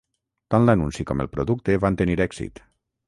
Tant l'anunci com el producte van tenir èxit.